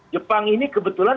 jepang ini kebetulan